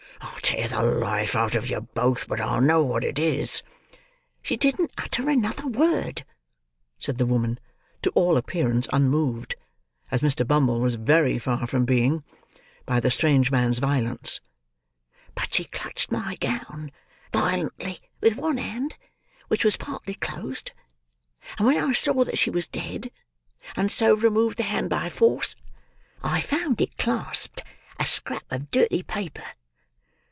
I'll tear the life out of you both, but I'll know what it was." "She didn't utter another word," said the woman, to all appearance unmoved (as Mr. Bumble was very far from being) by the strange man's violence; "but she clutched my gown, violently, with one hand, which was partly closed; and when I saw that she was dead, and so removed the hand by force, I found it clasped a scrap of dirty paper."